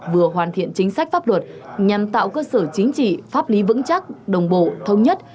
vừa hoàn thiện chính sách pháp luật nhằm tạo cơ sở chính trị pháp lý vững chắc đồng bộ thông nhất